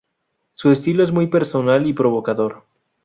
Su estilo es muy personal y provocador..